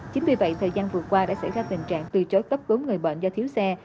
chính vì vậy thời gian vừa qua đã xảy ra tình trạng từ chối cấp cứu người bệnh do thiếu xe